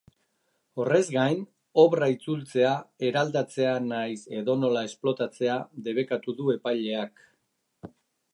Horrez gain, obra itzultzea, eraldatzea nahiz edonola esplotatzea debekatu du epaileak.